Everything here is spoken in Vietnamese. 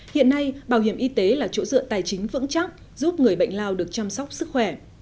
hiện nay bảo hiểm y tế là chỗ dựa tài chính vững chắc giúp người bệnh lao được chăm sóc sức khỏe